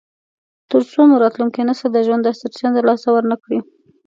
تر څو مو راتلونکی نسل د ژوند دا سرچینه د لاسه ورنکړي.